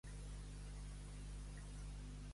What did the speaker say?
Taula de Barcelona, un pa per persona.